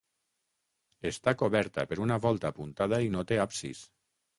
Està coberta per una volta apuntada i no té absis.